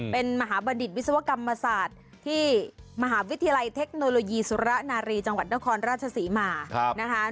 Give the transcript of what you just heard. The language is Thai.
เป็นมหาบัณฑิตวิศวกรรมศาสตร์ที่มหาวิทยาลัยเทคโนโลยีสุรนารีจังหวัดนครราชศรีมานะคะ